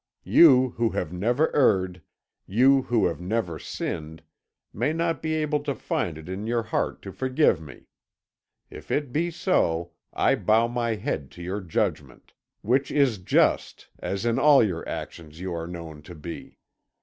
You who have never erred, you who have never sinned, may not be able to find it in your heart to forgive me. If it be so, I bow my head to your judgment which is just, as in all your actions you are known to be.